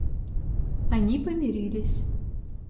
Они помирились.